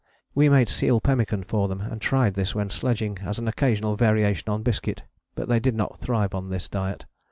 We made seal pemmican for them and tried this when sledging, as an occasional variation on biscuit, but they did not thrive on this diet.